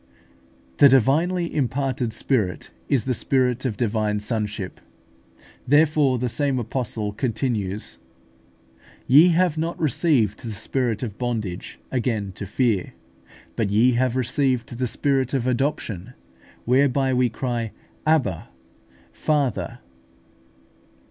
The divinely imparted Spirit is the Spirit of divine sonship; therefore, the same apostle continues, "Ye have not received the spirit of bondage again to fear; but ye have received the spirit of adoption, whereby we cry, Abba, Father" (Rom.